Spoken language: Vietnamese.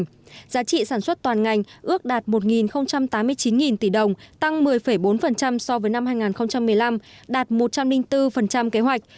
giá trị sản xuất toàn ngành ước đạt một tám mươi chín tỷ đồng tăng một mươi bốn so với năm hai nghìn một mươi năm đạt một trăm linh bốn kế hoạch